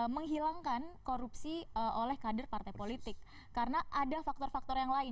menghilangkan korupsi oleh kader partai politik karena ada faktor faktor yang lain